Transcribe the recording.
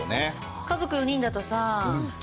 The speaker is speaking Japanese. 家族４人だとさ。